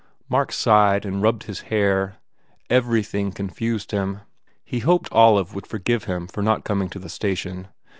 Mark sighed and rubbed his hair. Everything confused him. He hoped Olive would forgive him for not coming to the station.